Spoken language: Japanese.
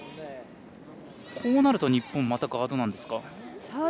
こうなると日本またガードなんですか。